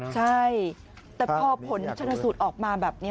ใช่แต่พอผลชนสูตรออกมาแบบนี้